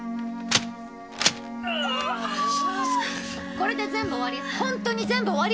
これで全部終わり？